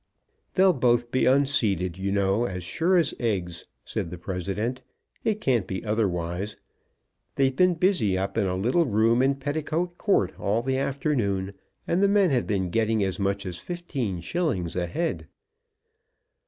"They'll both be unseated, you know, as sure as eggs," said the president. "It can't be otherwise. They've been busy up in a little room in Petticoat Court all the afternoon, and the men have been getting as much as fifteen shillings a head!"